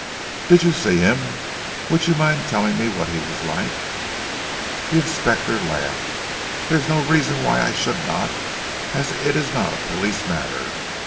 "Did you see him? Would you mind telling me what he was like?" The inspector laughed. "There is no reason why I should not, as it is not a police matter.